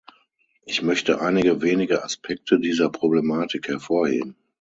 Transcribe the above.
Ich möchte einige wenige Aspekte dieser Problematik hervorheben.